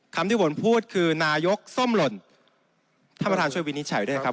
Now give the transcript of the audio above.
ที่ผมพูดคือนายกส้มหล่นท่านประธานช่วยวินิจฉัยด้วยครับ